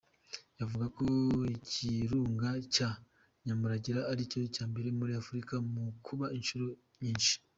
Yavuze ko ikirunga cya Nyamuragira ari icya mbere muri Afurika mu kuruka inshuro nyinshi.